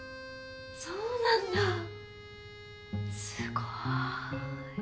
そうなんだすごい。